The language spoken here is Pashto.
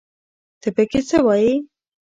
ته پکې څه وايې